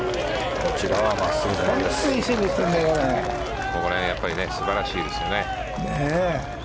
ここら辺はやっぱり素晴らしいですよね。